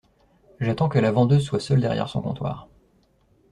J’attends que la vendeuse soit seule derrière son comptoir.